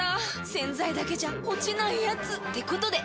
⁉洗剤だけじゃ落ちないヤツってことで。